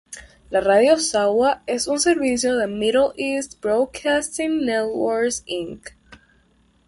La Radio Sawa es un servicio de Middle East Broadcasting Networks, Inc.